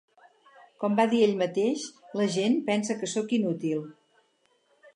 Com va dir ell mateix: la gent pensa que soc inútil.